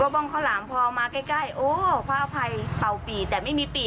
บ้องข้าวหลามพอมาใกล้โอ้พระอภัยเป่าปีแต่ไม่มีปี่